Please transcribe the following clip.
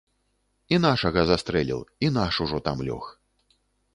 І нашага застрэліў, і наш ужо там лёг.